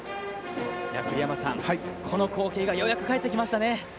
栗山さん、この光景がようやく帰ってきましたね。